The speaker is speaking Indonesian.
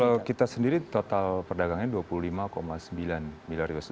kalau kita sendiri total perdagangannya dua puluh lima sembilan miliar usd